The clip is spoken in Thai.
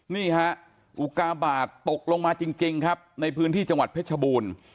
นี่ฮะอุกาบาทตกลงมาจริงครับในพื้นที่จังหวัดเพชรบูรณ์